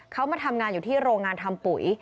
เขามาทำงานอยู่ที่โรงงานทำปุ๋ย